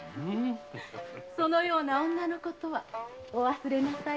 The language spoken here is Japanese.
そのような女のことはお忘れなさいませ。